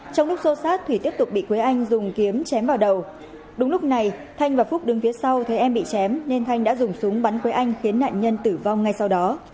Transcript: trong lúc xô sát thủy tiếp tục bị quế anh dùng kiếm chém vào đầu đúng lúc này thanh và phúc đứng phía sau thấy em bị chém nên thanh đã dùng súng bắn quế anh khiến nạn nhân tử vong ngay sau đó